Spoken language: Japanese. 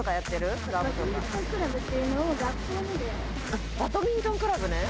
あっバドミントンクラブね。